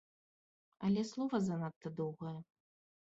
Але слова занадта доўгае!